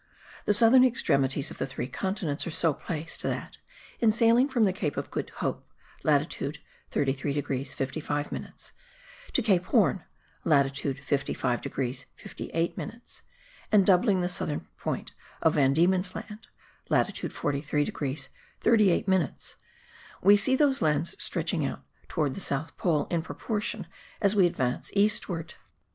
The southern extremities of the three continents are so placed that, in sailing from the Cape of Good Hope (latitude 33 degrees 55 minutes) to Cape Horn (latitude 55 degrees 58 minutes), and doubling the southern point of Van Diemen's Land (latitude 43 degrees 38 minutes), we see those lands stretching out towards the south pole in proportion as we advance eastward.